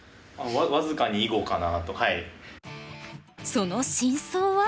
その真相は？